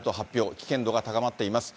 危険度が高まっています。